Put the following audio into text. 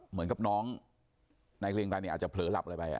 เหมือนกับน้องนายเรียงไกรเนี่ยอาจจะเผลอหลับอะไรไป